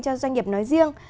cho doanh nghiệp nói riêng